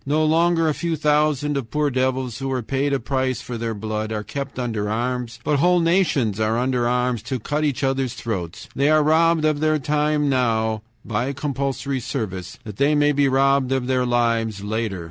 No longer a few thousands of poor devils, who were paid a price for their blood, are kept under arms, but whole nations are under arms to cut each other's throats. They are robbed of their time now (by compulsory service) that they may be robbed of their lives later.